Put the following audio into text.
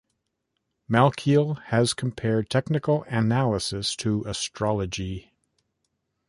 Malkiel has compared technical analysis to "astrology".